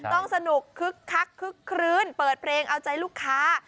ต้องสนุกคึกคักคึกคลื้นเปิดเพลงเอาใจลูกค้า